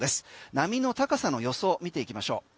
波の高さの予想を見ていきましょう。